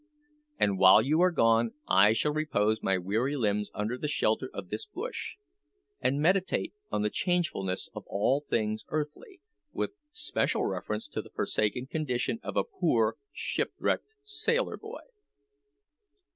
And while you are gone I shall repose my weary limbs under the shelter of this bush, and meditate on the changefulness of all things earthly, with special reference to the forsaken condition of a poor shipwrecked sailor boy!"